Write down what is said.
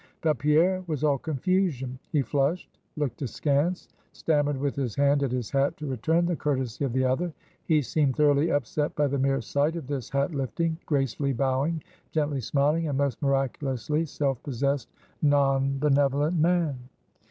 But Pierre was all confusion; he flushed, looked askance, stammered with his hand at his hat to return the courtesy of the other; he seemed thoroughly upset by the mere sight of this hat lifting, gracefully bowing, gently smiling, and most miraculously self possessed, non benevolent man.